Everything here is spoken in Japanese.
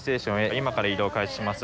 今から移動開始します